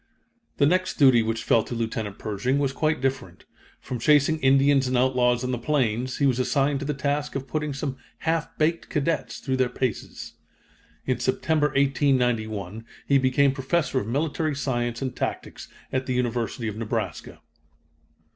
The next duty which fell to Lieutenant Pershing was quite different. From chasing Indians and outlaws on the plains, he was assigned to the task of putting some "half baked" cadets through their paces. In September, 1891, he became Professor of Military Science and Tactics at the University of Nebraska.